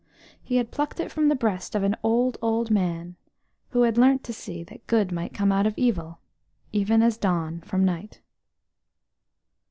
He had plucked it from the breast of an old, old man, he said, who had learnt to see that good might come out of evil, even as dawn from night.